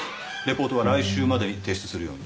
リポートは来週までに提出するように。